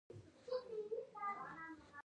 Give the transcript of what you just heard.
د بولان دره په کوم لوري کې ده؟